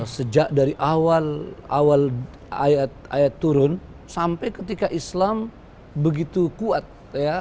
sejak dari awal ayat ayat turun sampai ketika islam begitu kuat ya